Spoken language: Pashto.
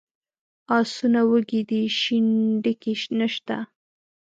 آسونه وږي دي شین ډکی نشته.